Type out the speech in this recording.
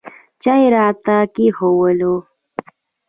چای یې راته کښېښوولې.